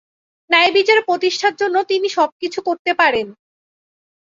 ন্যায়বিচার প্রতিষ্ঠার জন্য তিনি সব কিছু করতে পারেন।